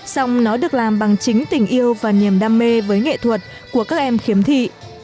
xong nó được làm bằng chính tình yêu và niềm đam mê với nghệ thuật của các em khiếm thị